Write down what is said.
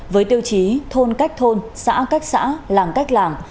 với tiêu chí thôn cách thôn xã cách xã làm cách làm